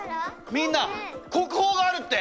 みんな国宝があるって！